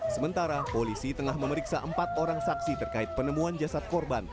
sementara polisi tengah memeriksa empat orang saksi terkait penemuan jasad korban